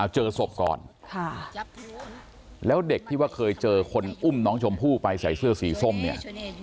เจอศพก่อนค่ะแล้วเด็กที่ว่าเคยเจอคนอุ้มน้องชมพู่ไปใส่เสื้อสีส้มเนี่ย